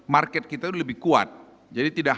market kita itu lebih kuat jadi tidak